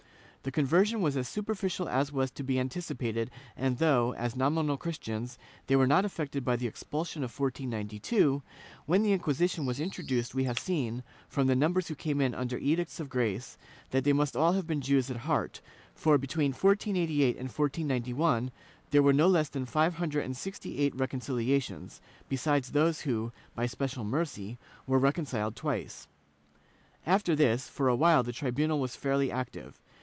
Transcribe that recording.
^ The conversion was as superficial as was to be anticipated and though, as nominal Christians, they were not affected by the expulsion of 1492, when the Inquisition was introduced we have seen, from the numbers who came in under Edicts of Grace, that they must all have been Jews at heart for, between 1488 and 1491, there were no less than five hundred and sixty eight reconcihations, besides those who, by special mercy, were reconciled twice. After this, for awhile the tribunal was fairly active.